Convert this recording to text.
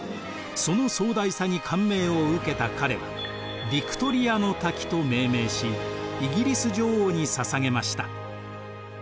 その壮大さに感銘を受けた彼は「ヴィクトリアの滝」と命名しイギリス女王にささげました。